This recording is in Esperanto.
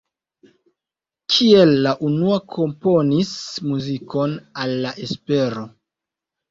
Kiel la unua komponis muzikon al La Espero.